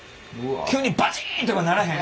急にバチンとかならへん？